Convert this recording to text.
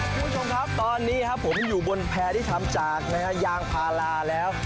คุณผู้ชมครับตอนนี้ครับผมอยู่บนแพร่ที่ทำจากยางพาราแล้ว